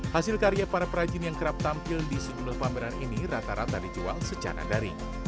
hasil karya para perajin yang kerap tampil di sejumlah pameran ini rata rata dijual secara daring